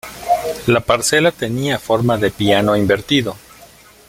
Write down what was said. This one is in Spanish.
La parcela tenía forma de piano invertido.